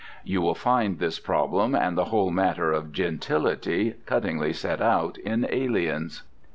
You will find this problem, and the whole matter of gentility, cuttingly set out in Aliens.